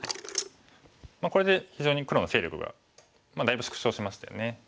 これで非常に黒の勢力がだいぶ縮小しましたよね。